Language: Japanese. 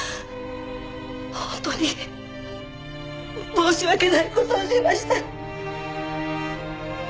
本当に申し訳ない事をしました。